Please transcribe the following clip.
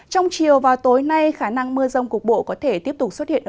trong chiều và tối nay khả năng mưa rông cục bộ có thể tiếp tục xuất hiện